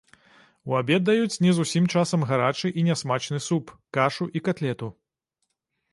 У абед даюць не зусім часам гарачы і нясмачны суп, кашу і катлету.